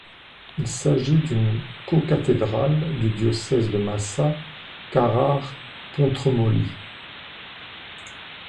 Il s'agit d'une cocathédrale du diocèse de Massa Carrare-Pontremoli.